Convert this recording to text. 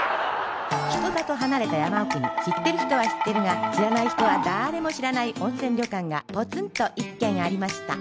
人里離れた山奥に知ってる人は知ってるが知らない人はだーれも知らない温泉旅館がポツンと一軒ありました